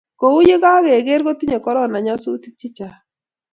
Kouyu kakeker ko kitinye corona nyasutik Che Chang